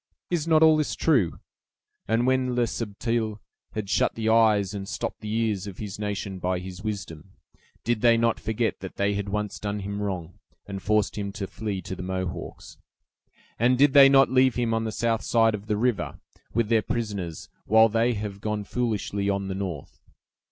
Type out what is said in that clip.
Is not all this true? And when Le Subtil had shut the eyes and stopped the ears of his nation by his wisdom, did they not forget that they had once done him wrong, and forced him to flee to the Mohawks? And did they not leave him on the south side of the river, with their prisoners, while they have gone foolishly on the north?